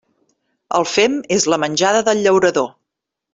El fem és la menjada del llaurador.